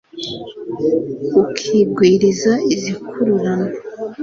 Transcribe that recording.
ukigwiriza izikururana